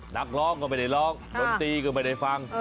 นักร้องก็ไม่ได้ร้องดนตรีก็ไม่ได้ฟัง